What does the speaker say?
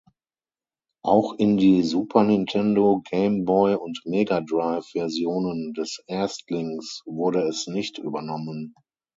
Auch in die Super-Nintendo-, Game-Boy- und Mega-Drive-Versionen des Erstlings wurde es nicht übernommen.